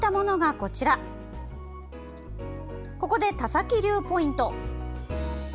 ここで田崎流ポイント！